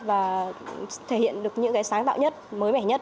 và thể hiện được những cái sáng tạo nhất mới mẻ nhất